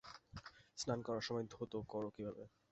স্নান করার সময় ধৌত করো কীভাবে?